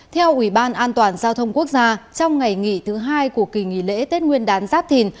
theo ủy ban an toàn giao thông quốc gia trong ngày nghỉ thứ hai của kỳ nghỉ lễ tết nguyên đán giáp thìn